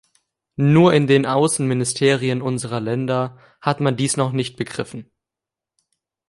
Nur in den Außenministerien unserer Länder hat man dies noch nicht begriffen!